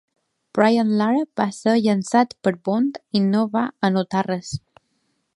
Brian Lara va ser llançat per Bond i no va anotar res.